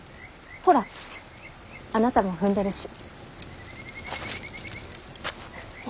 ほらあなたも踏んでるし。